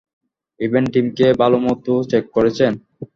Event টিমকে ভালোমতো check করেছেন?